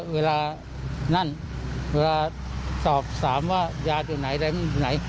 เวลานั่นเวลาออกแสดงทำทุกอย่าง